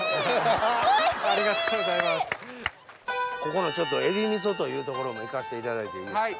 ここのちょっとエビ味噌という所も行かせていただいていいですか？